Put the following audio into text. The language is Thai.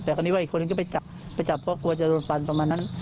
แต่อีกคนก็ไปจับไปจับเพราะกลัวจะโดนฟันประมาณนั้น